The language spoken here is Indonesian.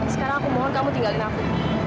sekarang aku mohon kamu tinggalin aku